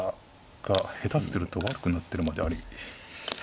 下手すると悪くなってるまであり。